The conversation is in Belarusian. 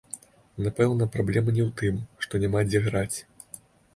Напэўна, праблема не ў тым, што няма дзе граць.